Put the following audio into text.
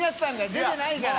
出てないから。